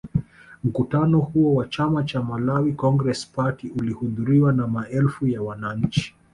Mkutano huo wa chama cha Malawi Congress Party ulihudhuriwa na maelfu ya wananchi